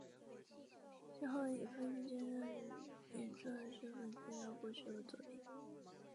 之后以分镜兼任演出的身分参加过许多作品。